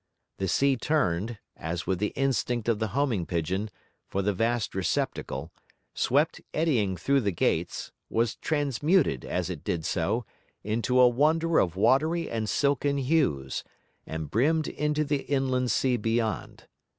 The sea turned (as with the instinct of the homing pigeon) for the vast receptacle, swept eddying through the gates, was transmuted, as it did so, into a wonder of watery and silken hues, and brimmed into the inland sea beyond.